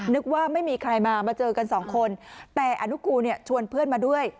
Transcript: นึกว่าไม่มีใครมามาเจอกันสองคนแต่อนุกูเนี่ยชวนเพื่อนมาด้วย